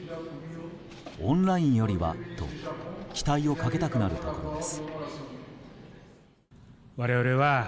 オンラインよりはと期待をかけたくなるところです。